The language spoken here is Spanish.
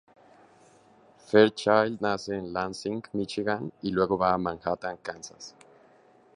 Fairchild nace en Lansing, Michigan, y luego va a Manhattan, Kansas.